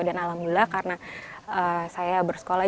dan alhamdulillah karena saya bersekolah